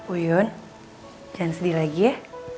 uyun dan sedih lagi ya